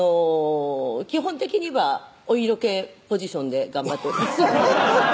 基本的にはお色気ポジションで頑張っております